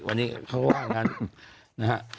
วันนี้เขาว่ากันนะครับ